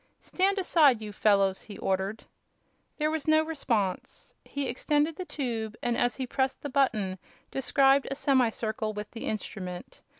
"Stand aside, you fellows!" he ordered. There was no response. He extended the tube and, as he pressed the button, described a semi circle with the instrument.